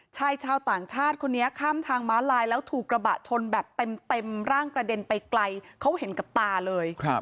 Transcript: ชายชาวต่างชาติคนนี้ข้ามทางม้าลายแล้วถูกกระบะชนแบบเต็มร่างกระเด็นไปไกลเขาเห็นกับตาเลย